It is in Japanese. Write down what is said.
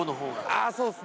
◆あー、そうっすね。